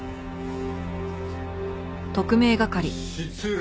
失礼。